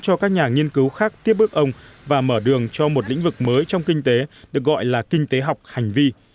cho các nhà nghiên cứu khác tiếp bước ông và mở đường cho một lĩnh vực mới trong kinh tế được gọi là kinh tế học hành vi